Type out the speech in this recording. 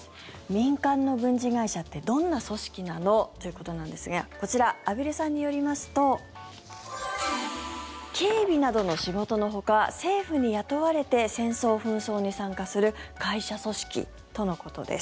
民間の軍事会社ってどんな組織なの？ということなんですがこちら、畔蒜さんによりますと警備などの仕事のほか政府に雇われて戦争・紛争に参加する会社組織とのことです。